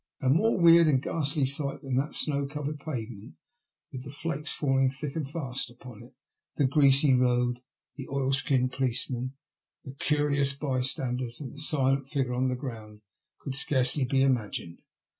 ENGLAND ONCE MOBE. 49 A more weird and ghastly sight than that snow covered pavement, with the flakes falling thick and fast upon it, the greasy road, the oilskinned policemen, the carious bystanders, and the silent figure on the ground, could scarcely be imagined.